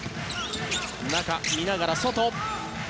中、見ながら、外。